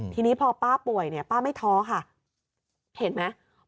ทีนี้พอป้าป่วยเนี่ยป้าไม่ท้อค่ะเห็นไหม